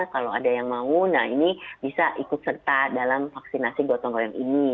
kalau ada yang mau nah ini bisa ikut serta dalam vaksinasi gotong royong ini